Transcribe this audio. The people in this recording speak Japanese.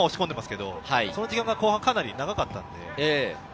後半はその時間がかなり長かったので。